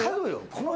この辺。